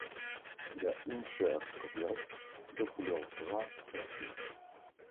Il a une chair coriace de couleur brun foncé.